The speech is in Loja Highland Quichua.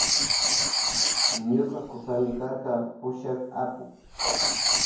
Ñuka kusami karka pushak apuk.